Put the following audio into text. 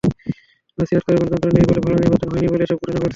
নছিহত করে, গণতন্ত্র নেই বলে, ভালো নির্বাচন হয়নি বলে এসব ঘটনা ঘটছে।